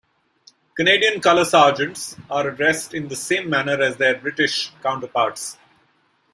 Canadian colour sergeants are addressed in the same manner as their British counterparts.